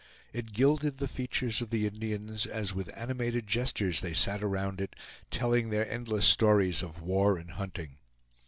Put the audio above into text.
It gilded the features of the Indians, as with animated gestures they sat around it, telling their endless stories of war and hunting.